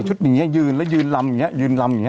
อย่างนี้ยืนแล้วยืนลำอย่างนี้ยืนลำอย่างนี้